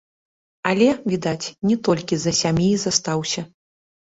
Але, відаць, не толькі з-за сям'і застаўся.